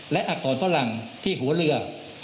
และอักษรฝรั่งที่หัวเรือ